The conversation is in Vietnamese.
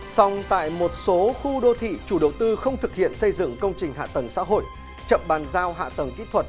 xong tại một số khu đô thị chủ đầu tư không thực hiện xây dựng công trình hạ tầng xã hội chậm bàn giao hạ tầng kỹ thuật